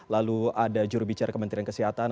lalu ada jurubicara kementerian kesehatan